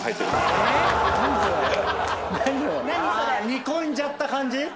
煮込んじゃった感じ？